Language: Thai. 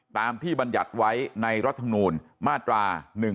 ตามที่บรรยัติไว้ในรัฐมนูลมาตรา๑๑๒